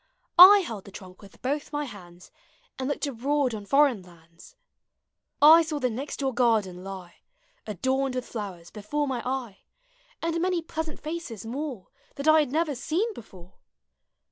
I held the trunk with both mv hands And looked abroad on foreign lauds. I saw the next door gardeu lie. Adorned with flowers, before my eye. And many pleasant faces more That I had never seen before.